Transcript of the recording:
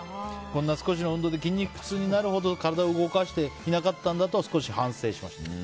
こんな少しの運動で筋肉痛になるほど体を動かしていなかったんだと少し反省しました。